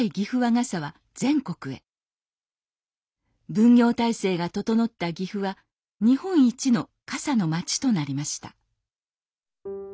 分業体制が整った岐阜は日本一の傘の町となりました